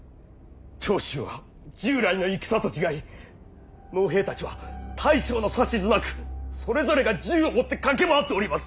長州は従来の戦と違い農兵たちは大将の指図なくそれぞれが銃を持って駆け回っております！